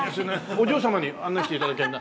お嬢様に案内して頂けるなんて。